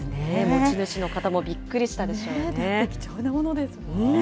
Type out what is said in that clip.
持ち主の方もびっくりしたでしょうね。